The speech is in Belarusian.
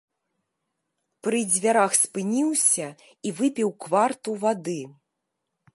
Пры дзвярах спыніўся і выпіў кварту вады.